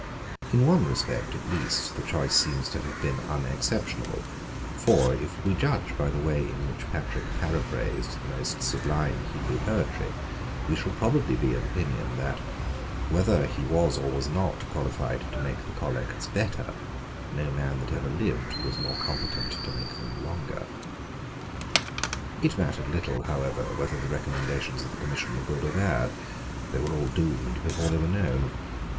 In one respect, at least, the choice seems to have been unexceptionable; for, if we judge by the way in which Patrick paraphrased the most sublime Hebrew poetry, we shall probably be of opinion that, whether he was or was not qualified to make the collects better, no man that ever lived was more competent to make them longer, It mattered little, however, whether the recommendations of the Commission were good or bad. They were all doomed before they were known.